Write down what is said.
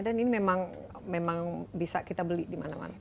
dan ini memang bisa kita beli dimana mana